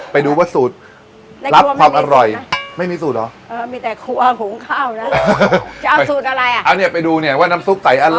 ไปดูว่าสูตรในครัวไม่มีสูตรรับผักอร่อยไม่มีสูตรหรอ